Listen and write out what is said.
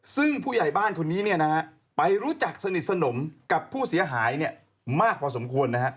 ซึ่งผู้ใหญ่บ้านคนนี้ไปรู้จักสนิทสนมกับผู้เสียหายมากพอสมควรนะฮะ